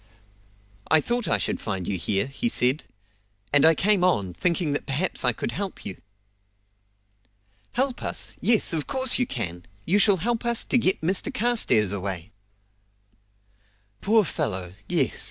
"I thought I should find you here," he said; "and I came on, thinking that perhaps I could help you." "Help us! yes, of course you can! You shall help us to get Mr Carstairs away!" "Poor fellow; yes!"